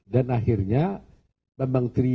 dan akhirnya bambang tri